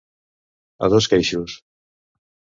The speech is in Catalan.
A dos queixos.